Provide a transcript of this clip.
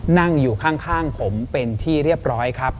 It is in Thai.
นั่งอยู่ข้างผมเป็นที่เรียบร้อยครับ